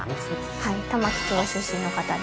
玉城町出身の方で。